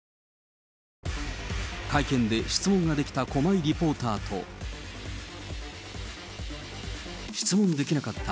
会見で質問ができた駒井リポーターと、質問できなかった